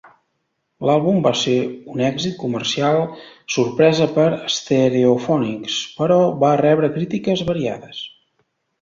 L'àlbum va ser un èxit comercial sorpresa per Stereophonics però va rebre crítiques variades.